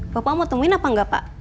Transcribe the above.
bapak mau temuin apa enggak pak